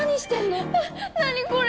何これ。